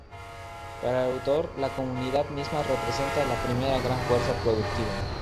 Para el autor la comunidad misma representa la primera gran fuerza productiva.